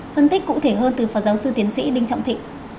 phân tích cụ thể hơn từ phó giáo sư tiến sĩ đinh trọng thịnh